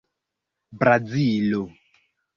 Brazilo